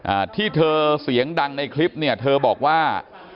อ่าที่เธอเสียงดังในคลิปเนี่ยเธอบอกว่า